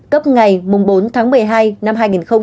cấp ngày bốn tháng một mươi hai năm hai nghìn một mươi ba